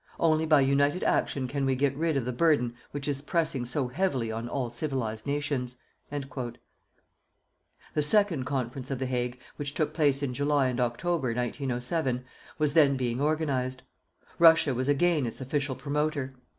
Only by united action can we get rid of the burden which is pressing so heavily on all civilized nations._" The second Conference of The Hague which took place in July and October, 1907, was then being organized. Russia was again its official promoter.